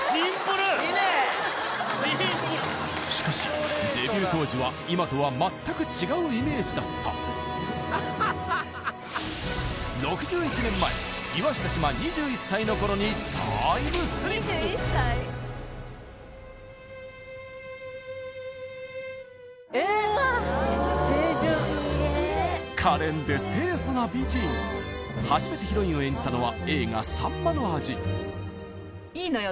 しかしデビュー当時は今とは全く違うイメージだった６１年前岩下志麻２１歳の頃にタイムスリップえーっうわっキレイ可憐で清楚な美人初めてヒロインを演じたのは映画「秋刀魚の味」いいのよ